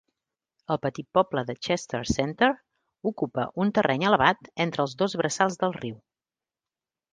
El petit poble de Chester Center ocupa un terreny elevat entre els dos braçals del riu.